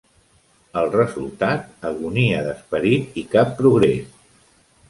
El resultat: agonia d'esperit i cap progrés.